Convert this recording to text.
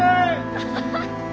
アハハッ！